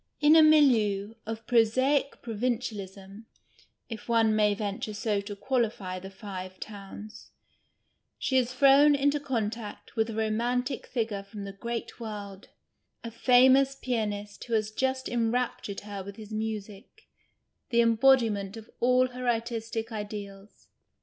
In a milieu of prosaic provincialism (if one may venture so to qualify the Five Towns) she is thrown into contact with a romantic figure from the great world, a famous pianist who has just enraptured her with his music, the embodiment of all her artistic ideals.